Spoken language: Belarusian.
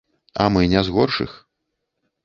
А мы не з горшых.